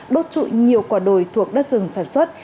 đốt trụi nhiều quả đồi thuộc đất rừng sản xuất